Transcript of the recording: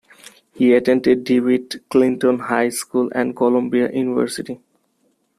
He attended DeWitt Clinton High School and Columbia University.